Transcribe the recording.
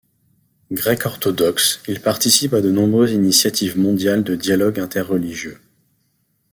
Grec orthodoxe, il participe à de nombreuses initiatives mondiales de dialogue inter-religieux.